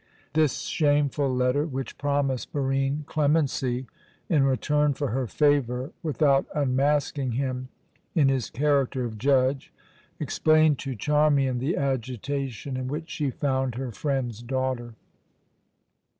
This shameful letter, which promised Barine clemency in return for her favour without unmasking him in his character of judge, explained to Charmian the agitation in which she found her friend's daughter.